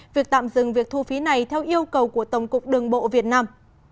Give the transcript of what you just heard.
việc tạm dừng việc thu phí này theo yêu cầu của tổng cục đường bộ việt nam